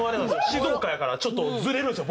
静岡やからちょっとずれるんですよ